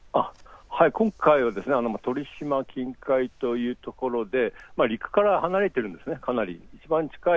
今回は鳥島近海というところで陸からは離れているんです、かなり。